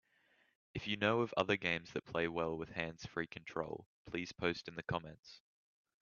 If you know of other games that play well with hands-free control, please post in the comments.